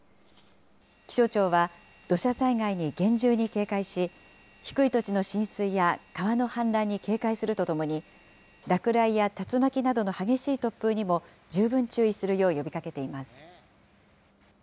気象庁は土砂災害に厳重に警戒し、低い土地の浸水や川の氾濫に警戒するとともに、落雷や竜巻などの激しい突風にも十分注意するよう呼びかけています。